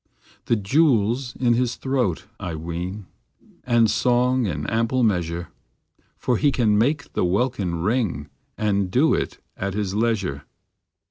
The jewel s in his throat, I ween, And song in ample measure, For he can make the welkin ring, And do it at his leisure.